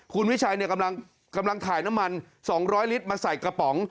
คุณวิชัยเนี่ยกำลังกำลังขายน้ำมันสองร้อยลิตรมาใส่กระป๋อง